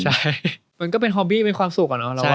ใช่มันก็เป็นฮอมบี้เป็นความสุขอะเนาะ